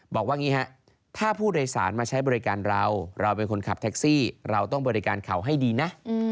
บอกว่าอย่างนี้ฮะถ้าผู้โดยสารมาใช้บริการเราเราเป็นคนขับแท็กซี่เราต้องบริการเขาให้ดีนะ